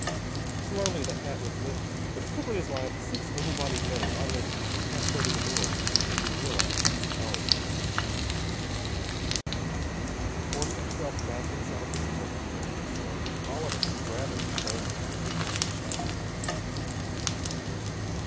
Slowly the hat was lifted, but as quickly as light six able bodied men were on their feet and half way to the door before we realized the cowardliness of it. We forced ourselves back inside the store very slowly, all of us rather ashamed of our ridiculous and childlike fear.